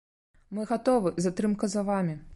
Мы гатовы, затрымка за вамі.